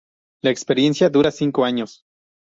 La experiencia dura cinco años.